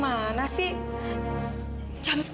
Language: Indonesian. dengan tenang keamanan